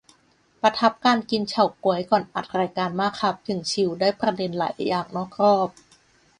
ประทับการกินเฉาก๊วยก่อนอัดรายการมากครับ อย่างชิล ได้ประเด็นหลายอย่างนอกรอบ